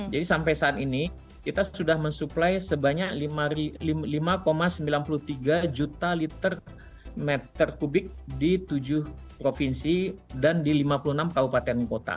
jadi sampai saat ini kita sudah mensuplai sebanyak lima sembilan puluh tiga juta liter meter kubik di tujuh provinsi dan di lima puluh enam kabupaten